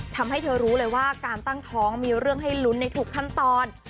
ทำให้เธอรู้เลยว่าการตั้งท้องมีเรื่องให้ลุ้นในทุกขั้นตอน